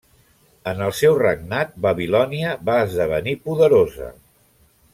En el seu regnat Babilònia va esdevenir poderosa.